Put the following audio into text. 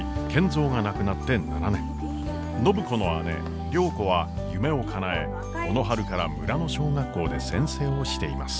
暢子の姉良子は夢をかなえこの春から村の小学校で先生をしています。